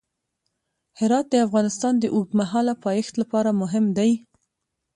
هرات د افغانستان د اوږدمهاله پایښت لپاره مهم دی.